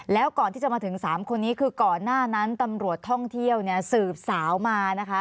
แล้วก่อนที่จะมาถึง๓คนนี้คือก่อนหน้านั้นตำรวจท่องเที่ยวเนี่ยสืบสาวมานะคะ